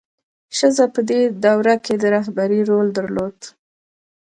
ښځه په دې دوره کې د رهبرۍ رول درلود.